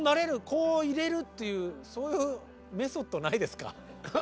こういれるっていうそういうメソッドないですか？